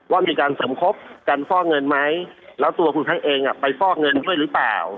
ว่ามีการเสริมคบกันฟอกเงินไหมแล้วตัวคุณพักเองไปฟอกเงินด้วยหรือเปล่า